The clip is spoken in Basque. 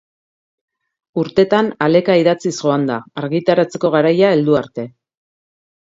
Urtetan aleka idatziz joan da, argitaratzeko garaia heldu arte.